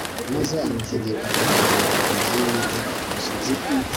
maze amutegeka guhagarara imbere yUwiteka ku musozi